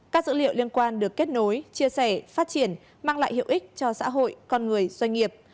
các dữ liệu liên quan được kết nối chia sẻ phát triển mang lại hiệu ích cho xã hội con người doanh nghiệp